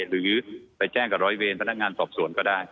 หรือไปแจ้งกับร้อยเวรพนักงานสอบสวนก็ได้